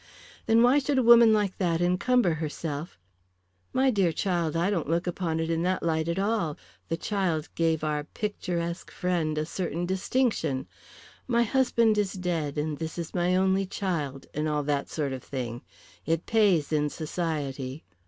"Then why should a woman like that encumber herself " "My dear child, I don't look upon it in that light at all. The child gave our picturesque friend a certain distinction 'My husband is dead, and this is my only child,' and all that sort of thing. It pays in society."